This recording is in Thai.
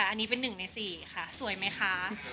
อันนี้เป็น๑ใน๔ค่ะสวยไหมคะ